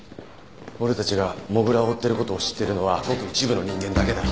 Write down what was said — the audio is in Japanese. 俺たちが土竜を追ってる事を知ってるのはごく一部の人間だけだ。